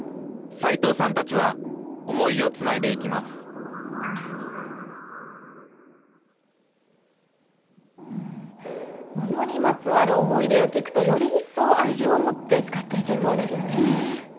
齋藤さんたちは思いをつないでいきますものにまつわる思い出を聞くとより一層愛情を持って使っていけそうですよね。